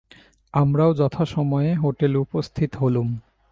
আমরাও যথাসময়ে হোটেলে উপস্থিত হলুম।